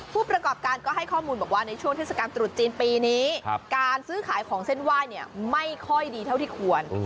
ผู้ประกอบการก็ให้ข้อมูลบอกว่าในช่วงเทศกาลตรุษจีนปีนี้การซื้อขายของเส้นไหว้เนี่ยไม่ค่อยดีเท่าที่ควร